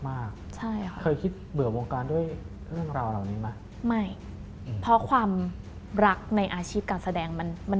และเคยคิดเหลือวงการด้วยเรื่องราวเหล่านี้ไหม